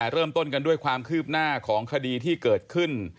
เริ่มต้นกันด้วยความคืบหน้าของคดีที่เกิดขึ้น